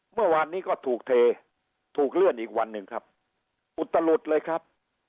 เมื่อวานนี้ก็ถูกเทถูกเลื่อนอีกวันหนึ่งครับอุตลุดเลยครับ